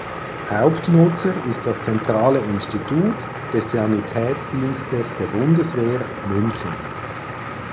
Hauptnutzer ist das Zentrale Institut des Sanitätsdienstes der Bundeswehr München.